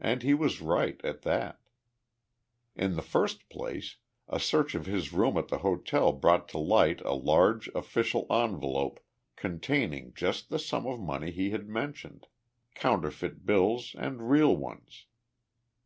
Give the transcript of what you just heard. And he was right, at that. In the first place, a search of his room at the hotel brought to light a large official envelope containing just the sum of money he had mentioned, counterfeit bills and real ones.